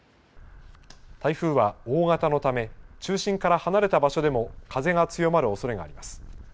台風は大型のため、中心から離れた場所でも風が強まるおそれがあります。